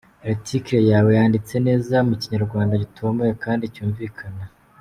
Article yawe yanditse neza mu Kinyarwanda gitomoye kandi cyumvikana.